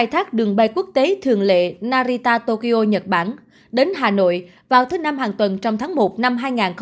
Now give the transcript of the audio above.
khai thác đường bay quốc tế thường lệ narita tokyo nhật bản đến hà nội vào thứ năm hàng tuần trong tháng một năm hai nghìn hai mươi